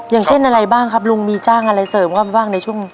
อย่างเช่นอะไรบ้างครับลุงมีจ้างอะไรเสริมเข้าไปบ้างในช่วง